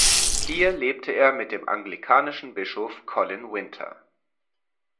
Hier lebte er mit dem anglikanischen Bischof Colin Winter.